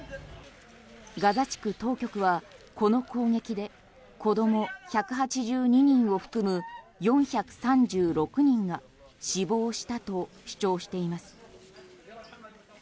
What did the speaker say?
ガザ地区当局は、この攻撃で子供１８２人を含む４３６人が死亡したと主張しています。